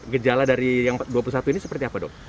gejala dari yang dua puluh satu ini seperti apa dok